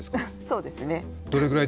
そうですね。